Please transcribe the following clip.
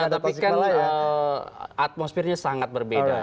tapi kan atmosfernya sangat berbeda